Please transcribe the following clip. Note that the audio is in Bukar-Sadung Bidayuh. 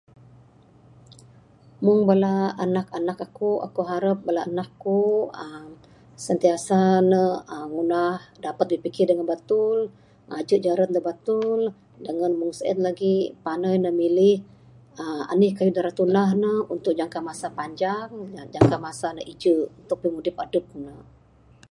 Meng bala anak anak aku...aku harap bala anak aku uhh sentiasa ne uhh ngunah dapat bipikir dangan batul ngajah jaran da batul dangan meng sien lagih panai ne milih anih kayuh da ira tunah ne untuk jangka masa panjang uhh jangka masa ne ije untuk pimudip adep ne.